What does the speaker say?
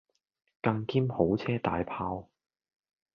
更兼好車大砲